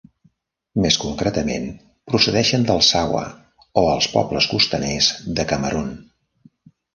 Més concretament, procedeixen dels Sawa o els pobles costaners de Camerun.